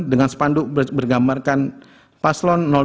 dengan sepanduk bergambarkan paslon dua